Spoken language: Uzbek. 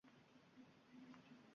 Va biz hech qachon qilmaymiz